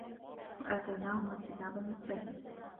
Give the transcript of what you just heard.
وَآتَيناهُمَا الكِتابَ المُستَبينَ